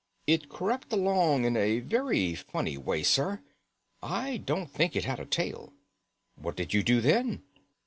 It crept along in a very funny way, sir. I don't think it had a tail." "What did you do then?"